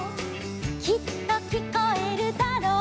「きっと聞こえるだろう」